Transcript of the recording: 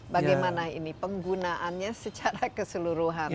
bagaimana ini penggunaannya secara keseluruhan